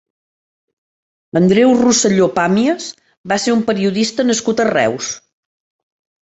Andreu Roselló Pàmies va ser un periodista nascut a Reus.